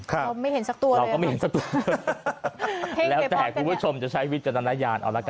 เค้าไม่เห็นสักตัวเลย